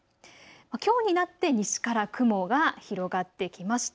きょうになって西から雲が広がってきました。